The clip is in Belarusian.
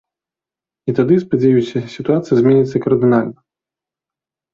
І тады, спадзяюся, сітуацыя зменіцца кардынальна.